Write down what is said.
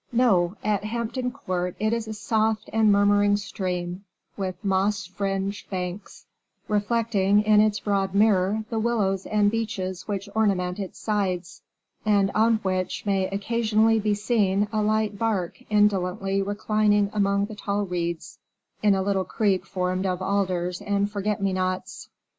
No, at Hampton Court it is a soft and murmuring stream, with moss fringed banks, reflecting, in its broad mirror, the willows and beeches which ornament its sides, and on which may occasionally be seen a light bark indolently reclining among the tall reeds, in a little creek formed of alders and forget me nots.